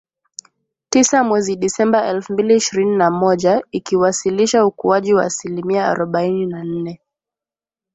tisa mwezi Disemba elfu mbili ishirini na moja, ikiwasilisha ukuaji wa asilimia arobaini na nne